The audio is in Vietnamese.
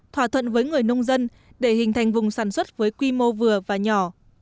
thỏa thuận với người nông dân để hình thành vùng sản xuất với quy mô vừa và nhỏ